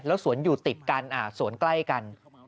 แล้วสวนอยู่ติดกันสวนใกล้กัน